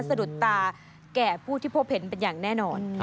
สะดุดตาแก่ผู้ที่พบเห็นเป็นอย่างแน่นอน